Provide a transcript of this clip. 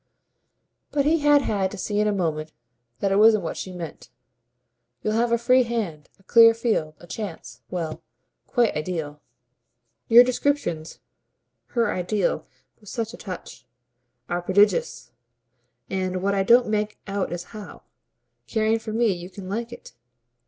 But he had had to see in a moment that it wasn't what she meant. "You'll have a free hand, a clear field, a chance well, quite ideal." "Your descriptions" her "ideal" was such a touch! "are prodigious. And what I don't make out is how, caring for me, you can like it."